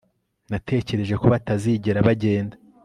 Natekereje ko batazigera bagenda